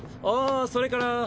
ああそれから。